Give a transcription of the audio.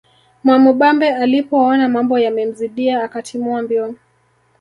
Mwamubambe alipoona mambo yamemzidia akatimua mbio